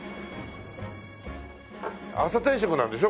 朝定食なんでしょ？